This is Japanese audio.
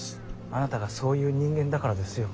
あなたがそういう人間だからですよ。